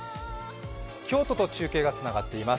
京都と中継がつながっています。